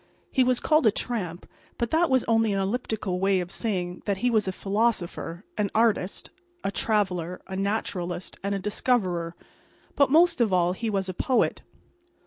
He was called a tramp; but that was only an elliptical way of saying that he was a philosopher, an artist, a traveller, a naturalist and a discoverer. But most of all he was a poet.